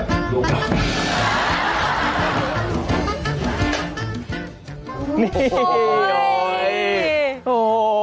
โอ้โฮ